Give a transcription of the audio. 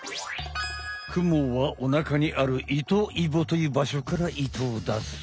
クモはおなかにある「糸いぼ」というばしょから糸を出す。